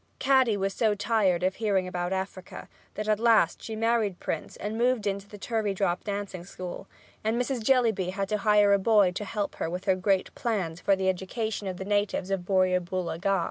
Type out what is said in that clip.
Caddy was so tired of hearing about Africa that at last she married Prince and moved into the Turveydrop dancing school, and Mrs. Jellyby had to hire a boy to help her with her great plans for the education of the natives of Borrioboola Gha.